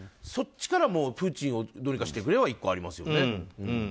そっちからプーチンをどうにかしてくれは１個ありますよね。